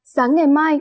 sáng ngày mai bắc biển